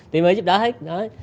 tìm hiểu giúp đỡ hết